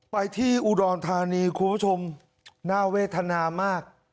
ไปที่อุดรธานีคุณผู้ชมน่าเวทนามาก